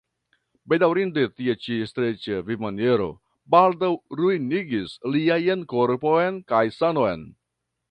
Bedaŭrinde tia ĉi streĉa vivmaniero baldaŭ ruinigis liajn korpon kaj sanon.